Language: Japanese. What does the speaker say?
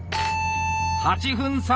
８分３秒。